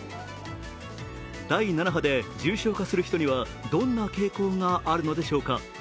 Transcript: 第７波で重症化する人にはどんな傾向があるのでしょうか。